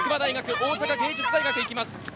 大阪芸術大学が行きます。